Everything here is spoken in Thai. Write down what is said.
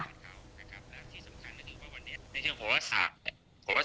ที่สำคัญก็คือว่าวันนี้ในเชิงโฮปสัตว์